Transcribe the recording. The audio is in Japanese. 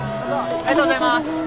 ありがとうございます。